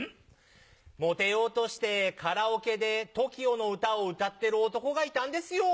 モテようとしてカラオケでＴＯＫＩＯの歌を歌ってる男がいたんですよ。